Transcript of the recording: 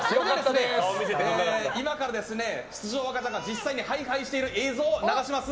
今から、出場した赤ちゃんがハイハイしている映像を流します。